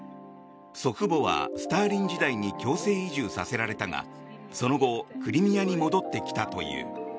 祖父母はスターリン時代に強制移住させられたがその後、クリミアに戻ってきたという。